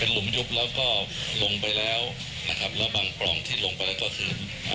หลุมยุบแล้วก็ลงไปแล้วนะครับแล้วบางปล่องที่ลงไปแล้วก็คือ